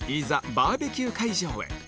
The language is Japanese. バーベキュー会場へ